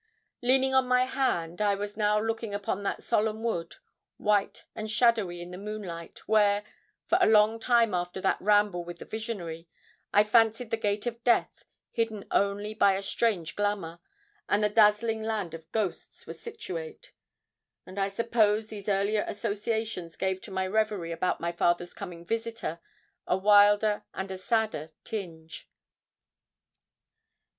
Leaning on my hand, I was now looking upon that solemn wood, white and shadowy in the moonlight, where, for a long time after that ramble with the visionary, I fancied the gate of death, hidden only by a strange glamour, and the dazzling land of ghosts, were situate; and I suppose these earlier associations gave to my reverie about my father's coming visitor a wilder and a sadder tinge.